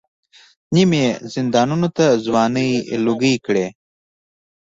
نیم یې زندانونو ته ځوانۍ لوګۍ کړې.